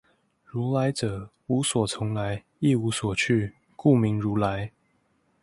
如來者，無所從來，亦無所去，故名如來